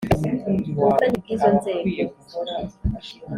ubufatanye bw izo nzego